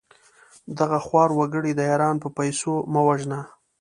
دغه خوار وګړي د ايران په پېسو مه وژنه!